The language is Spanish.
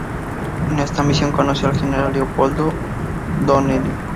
En esta misión conoció al general Leopoldo O'Donnell.